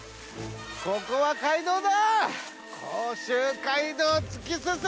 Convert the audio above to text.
ここは街道だ！